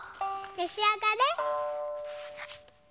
めしあがれ。